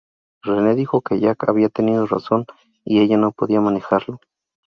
Renee dijo que Jack había tenido razón y ella no podía manejarlo.